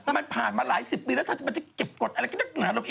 มันมาหลายสิบปีแล้วมันจะเก็บกฎอะไรขนาดนี้